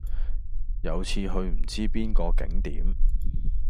有次去唔知邊個景點